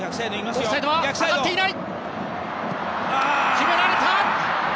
決められた！